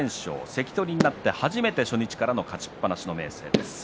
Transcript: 関取になって初めて初日から勝ちっぱなしです。